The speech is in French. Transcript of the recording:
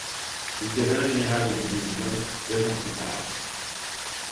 Il devint général de division deux ans plus tard.